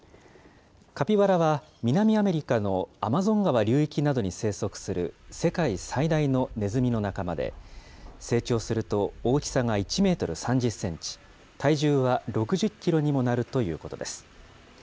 カピバラは南アメリカのアマゾン川流域などに生息する、世界最大のネズミの仲間で、成長すると大きさが１メートル３０センチ、体重は６０キロにもなるということです。